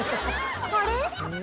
あれ？